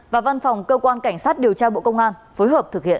và văn phòng cơ quan cảnh sát điều tra bộ công an phối hợp thực hiện